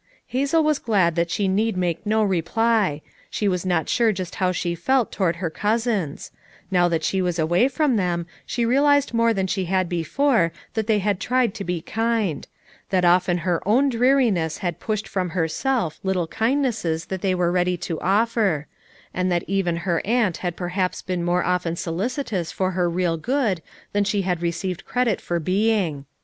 Hazel was glad that she need make no reply; she was not sure just how she felt toward her cousins ; now that she was away from them she realized more than she had before, that they had tried to be kind; that often her own dreari ness had pushed from herself little kindnesses 288 FOUR MOTHERS AT CHAUTAUQUA that they were ready to offer; and that even her aunt had perhaps heen more often solici tous for her real good than she had received credit for being.